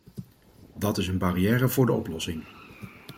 Dat is een barrière voor de oplossing.